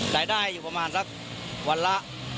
ได้ได้ประมาณสักวันละ